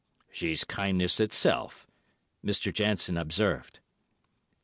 "She's kindness itself," Mr. Jansen observed.